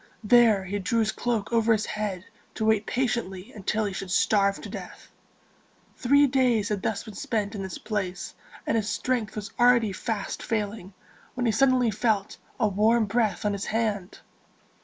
There he drew his cloak over his head to wait patiently until he should starve to death. Three days had thus been spent in this place, and his strength was already fast failing, when he suddenly felt a warm breath on his hand.